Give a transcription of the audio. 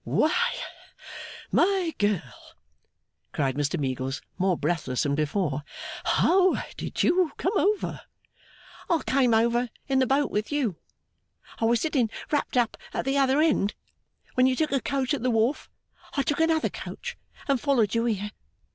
'Why, my girl,' cried Mr Meagles, more breathless than before, 'how did you come over?' 'I came in the boat with you. I was sitting wrapped up at the other end. When you took a coach at the wharf, I took another coach and followed you here.